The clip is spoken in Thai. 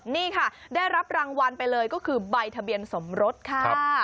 นี่ค่ะได้รับรางวัลไปเลยก็คือใบทะเบียนสมรสค่ะ